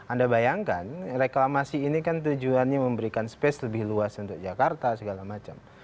anda bayangkan reklamasi ini kan tujuannya memberikan space lebih luas untuk jakarta segala macam